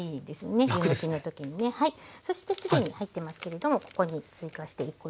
そして既に入ってますけれどもここに追加して１コ入れます。